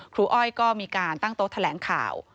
อ้อยก็มีการตั้งโต๊ะแถลงข่าว